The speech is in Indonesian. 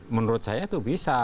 menurut saya itu bisa